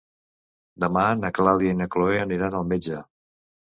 Demà na Clàudia i na Cloè aniran al metge.